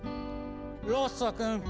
ロッソ君。